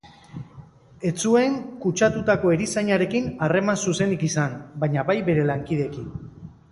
Ez zuen kutsatutako erizainarekin harreman zuzenik izan, baina bai bere lankideekin.